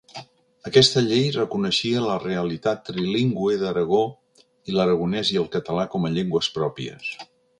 Aquesta llei reconeixia la realitat trilingüe d'Aragó i l'aragonès i el català com llengües pròpies.